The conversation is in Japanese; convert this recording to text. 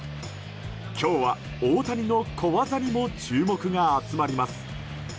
今日は大谷の小技にも注目が集まります。